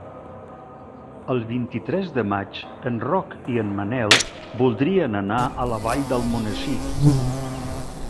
El vint-i-tres de maig en Roc i en Manel voldrien anar a la Vall d'Almonesir.